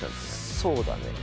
そうだね。